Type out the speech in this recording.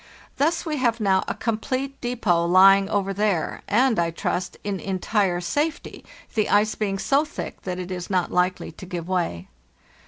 Thus we have now a complete depot lying over there, and, I trust, in entire safety, the ice being so thick that it is not likely to give way.